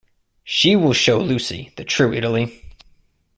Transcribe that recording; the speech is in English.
She will show Lucy the true Italy.